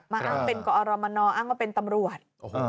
อ้างเป็นกอรมนอ้างว่าเป็นตำรวจ